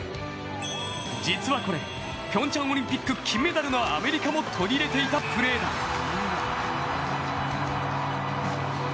実はこれ、ピョンチャンオリンピック金メダルのアメリカも取り入れていたプレーだ。